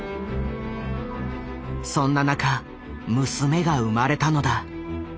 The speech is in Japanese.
そんな中娘が生まれたのだ。